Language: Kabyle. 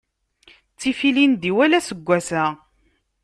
Ttif ilindi wala aseggas-a.